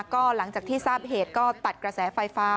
ก็หลังจากที่ทราบเหตุก็ตัดกระแสไฟฟ้า